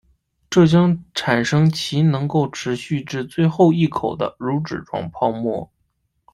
这将产生其能够持续至最后一口的乳脂状泡沫。